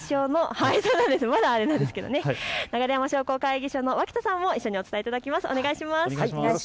流山商工会議所の脇田さんに一緒にお伝えいただきます。